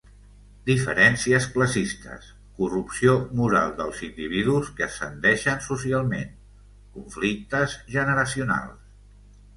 Diferències classistes, corrupció moral dels individus que ascendeixen socialment, conflictes generacionals.